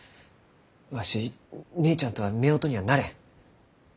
わし姉ちゃんとはめおとにはなれん。